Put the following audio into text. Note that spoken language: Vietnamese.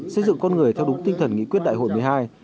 xây dựng con người theo đúng tinh thần nghị quyết đại hội một mươi hai